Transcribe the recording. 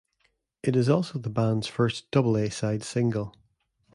It is also the band's first double A-side single.